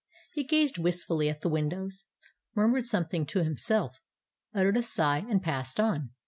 He gazed wistfully at the windows—murmured something to himself—uttered a sigh—and passed on.